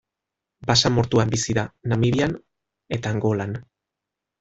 Basamortuan bizi da, Namibian eta Angolan.